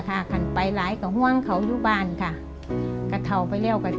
คันต้องดับน้ำอัธิบายว่าคุยกับชั้นปรอบที่ย่าเธอนะครับ